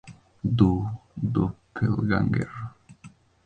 Du Doppelgänger!